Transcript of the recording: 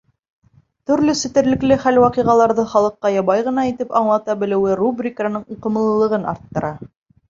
Төрлө сетерекле хәл-ваҡиғаларҙы халыҡҡа ябай ғына итеп аңлата белеүе рубриканың уҡымлылығын арттыра.